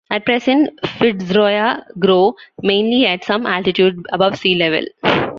At present "Fitzroya" grow mainly at some altitude above sea level.